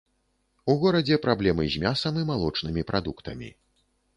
У горадзе праблемы з мясам і малочнымі прадуктамі.